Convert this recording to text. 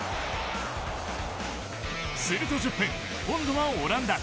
すると１０分、今度はオランダ。